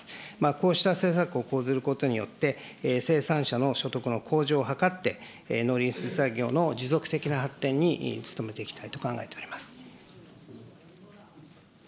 こうした施策を講ずることによって、生産者の所得の向上を図って、農林水産業の持続的な発展に努めていきたいと考えております。